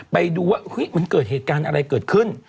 ไปดูว่ามันเกิดเหตุการณ์อะไรเกิดขึ้น